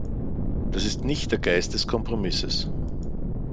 Das ist nicht der Geist des Kompromisses.